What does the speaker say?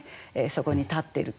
そこに立ってる。